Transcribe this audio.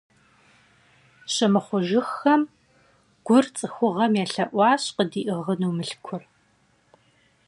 Щымыхъужыххэм, Гур ЦӀыхугъэм елъэӀуащ къыдиӀыгъыну Мылъкур.